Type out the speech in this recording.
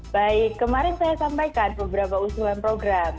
baik kemarin saya sampaikan beberapa usulan program